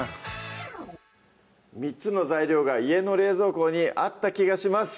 ３つの材料が家の冷蔵庫にあった気がします